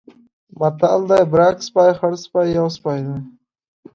متل دی: برګ سپی، خړسپی یو سپی دی.